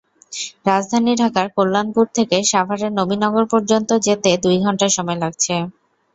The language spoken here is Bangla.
রাজধানী ঢাকার কল্যাণপুর থেকে সাভারের নবীনগর পর্যন্ত যেতে দুই ঘণ্টা সময় লাগছে।